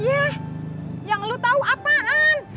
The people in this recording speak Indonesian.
yah yang lu tau apaan